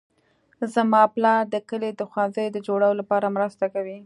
زما پلار د کلي د ښوونځي د جوړولو لپاره مرسته کوي